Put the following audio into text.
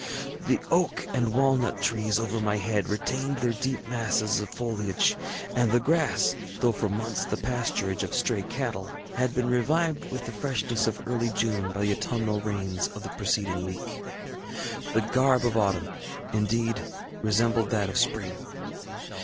The oak and walnut trees over my head retained their deep masses of foliage, and the grass, though for months the pasturage of stray cattle, had been revived with the freshness of early June by the autumnal rains of the preceding week. The garb of autumn, indeed, resembled that of spring.